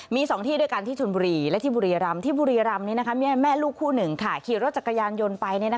มี๒ที่ด้วยกันที่ชนบุรีและที่บุรีรำที่บุรีรำแม่ลูกคู่หนึ่งขี่รถจักรยานยนต์ไป